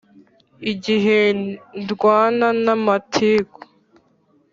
igihe ndwana n’amatiku